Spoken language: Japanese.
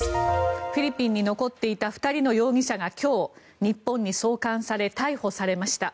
フィリピンに残っていた２人の容疑者が今日、日本へ送還され逮捕されました。